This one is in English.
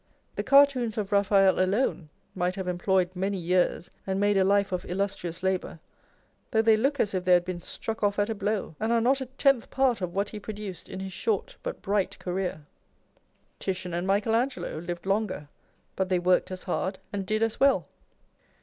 The cartoons of Raphael alone might have employed many years, and made a life of illustrious labour, though they look as if they had been struck off at a blow, and are not a tenth part of what he produced in his short but bright career. Titian and Michael Angelo lived longer, but they worked as hard and did as well.